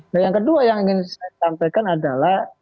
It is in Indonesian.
nah yang kedua yang ingin saya sampaikan adalah